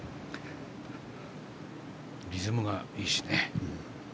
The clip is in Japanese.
リズムがいいしね。